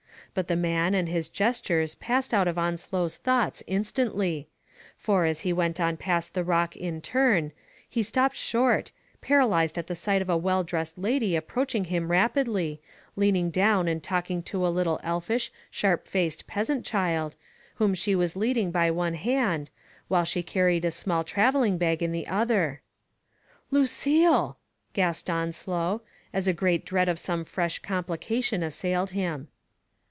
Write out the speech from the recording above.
But the man and his gestures passed out of Onslow's thoughts instantly, for, as he went on past the rock in turn, he stopped short, paralyzed at the sight of a well dressed lady approaching him rap idly, leaning down and talking to a little elfish, sharp faced peasant child, whom she was leading by one hand, while she carried a small traveling bag in the other. Digitized by Google GEORGE MANVILLE FENN, 281 "Lucille ! gasped Onslow, as a great dread of some fresh complication assailed him.